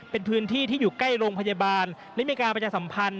เป็นพื้นที่ที่อยู่ใกล้โรงพยาบาลได้มีการประชาสัมพันธ์